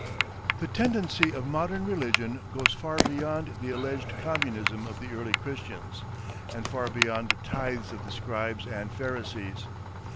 The tendency of modern religion goes far beyond the alleged communism of the early Christians, and far beyond the tithes of the scribes and Pharisees.